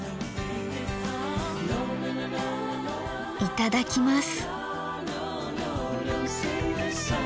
いただきます。